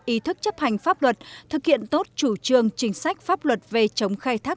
ý thức chấp hành pháp luật thực hiện tốt chủ trương chính sách pháp luật về chống khai thác